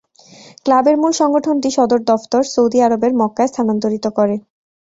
ক্লাবের মূল সংগঠনটি সদর দফতর সৌদি আরবের মক্কায় স্থানান্তরিত করে।